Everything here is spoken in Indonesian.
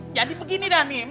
jadi begini dah nih